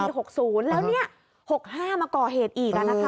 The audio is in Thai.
แล้วนี่๖๕มาก่อเหตุอีกแล้วนะคะ